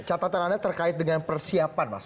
catatan anda terkait dengan persiapan mas